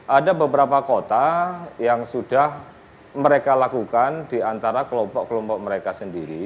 ada beberapa kota yang sudah mereka lakukan di antara kelompok kelompok mereka sendiri